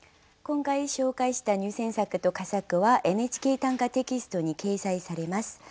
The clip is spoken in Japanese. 今回紹介した入選作と佳作は「ＮＨＫ短歌」テキストに掲載されます。